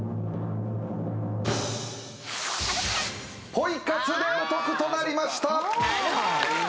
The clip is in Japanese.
「ポイ活でお得」となりました！